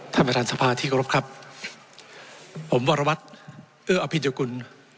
ท่านประธานทรัพย์ที่รับครับผมวรวัตรเอ้ออภิรภิกุล